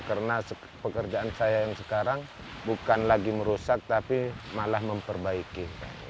karena pekerjaan saya yang sekarang bukan lagi merusak tapi malah memperbaiki